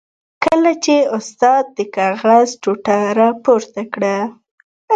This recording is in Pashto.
کله چې استاد د کاغذ ټوټه را پورته کړه.